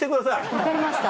分かりました